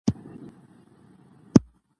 د هېواد په لیرې پرتو سیمو کې خدمت وکړئ.